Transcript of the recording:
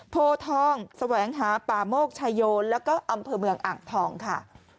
โพทองแสวงหาป่าโมกชายโยนแล้วก็อำเภอเมืองอ่างทองค่ะ